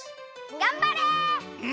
がんばれ！